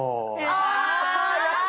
あやった！